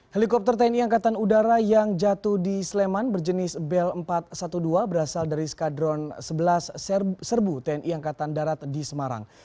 helikopter tni angkatan udara yang jatuh di sleman berjenis bel empat ratus dua belas berasal dari skadron sebelas serbu tni angkatan darat di semarang